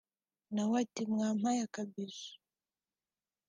nawe ati ‘mwampaye akabizu